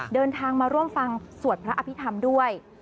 เดินทางมาร่วมฟังสวดพระอภิษฐรรมด้วย